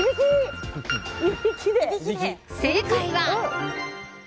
正解は。